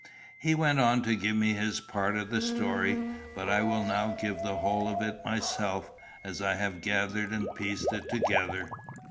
He went on to give me his part of the story; but I will now give the whole of it myself, as I have gathered and pieced it together.